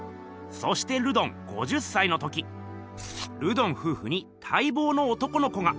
そしてルドン５０歳の時ルドンふうふにたいぼうの男の子が。